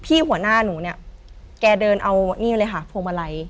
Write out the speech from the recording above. หัวหน้าหนูเนี่ยแกเดินเอานี่เลยค่ะพวงมาลัย